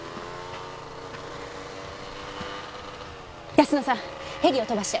泰乃さんヘリを飛ばして。